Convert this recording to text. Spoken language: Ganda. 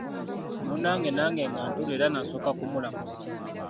Munnange nange nga ntuula era nasooka kumulamusa.